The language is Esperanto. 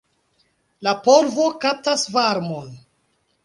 La polvo kaptas varmon.